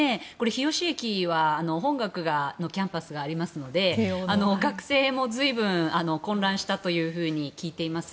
日吉駅は本学のキャンパスがありますので学生も随分混乱したというふうに聞いています。